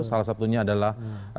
salah satunya adalah